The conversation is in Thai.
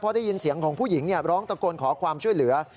ได้ยินเสียงของผู้หญิงร้องตะโกนขอความช่วยเหลือ